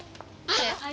はい！